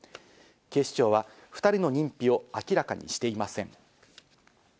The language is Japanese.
警視庁は２人の認否を明らかにしていません。